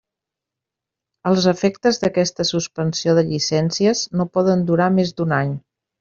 Els efectes d'aquesta suspensió de llicències no poden durar més d'un any.